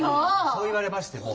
そう言われましても。